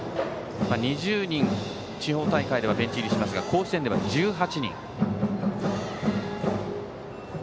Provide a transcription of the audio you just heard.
２０人、地方大会ではベンチ入りしますが甲子園では１８人。